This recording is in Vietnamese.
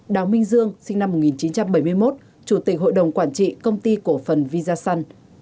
đào minh dương sinh năm một nghìn chín trăm bảy mươi một chủ tịch hội đồng quản trị công ty cổ phần visan